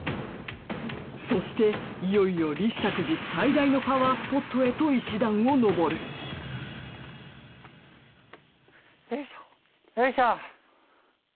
そしていよいよ立石寺最大のパワースポットへと石段を上るよいしょ。